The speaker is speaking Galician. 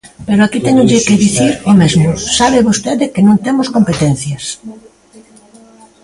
Pero aquí téñolle que dicir o mesmo, sabe vostede que non temos competencias.